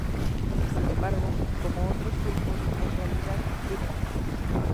Sin embargo, como otros pulpos, en realidad tiene ocho.